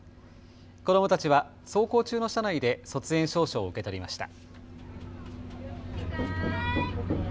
子どもたちは走行中の車内で卒園証書を受け取りました。